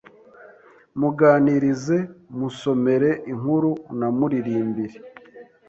Muganirize, musomere inkuru, unamuririmbire